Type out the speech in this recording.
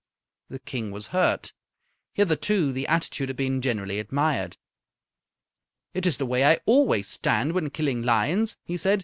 The King was hurt. Hitherto the attitude had been generally admired. "It's the way I always stand when killing lions," he said.